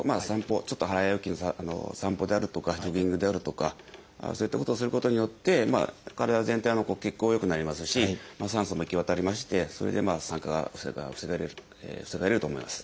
ちょっと早歩きの散歩であるとかジョギングであるとかそういったことをすることによって体全体の血行良くなりますし酸素も行き渡りましてそれで酸化が防げると思います。